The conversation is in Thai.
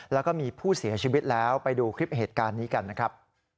แล้วก็มีผู้เสียชีวิตแล้วไปดูคลิปเหตุการณ์นี้กันนะครับ